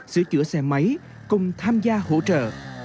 sửa chữa xe máy cùng tham gia hỗ trợ